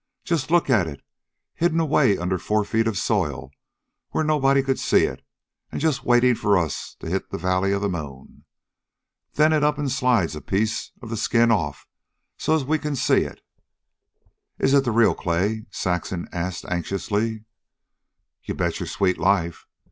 "Just look at it hidden away under four feet of soil where nobody could see it, an' just waitin' for us to hit the Valley of the Moon. Then it up an' slides a piece of the skin off so as we can see it." "Is it the real clay?" Saxon asked anxiously. "You bet your sweet life.